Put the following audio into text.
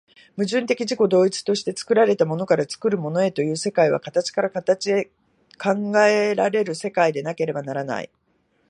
矛盾的自己同一として作られたものから作るものへという世界は、形から形へと考えられる世界でなければならない。